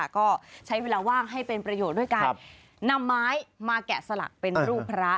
ก็ใช้เวลาว่างให้เป็นประโยชน์ด้วยการนำไม้มาแกะสลักเป็นรูปพระ